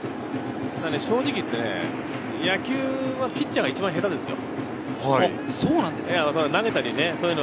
正直言って野球はピッチャーが一番下手ですよ。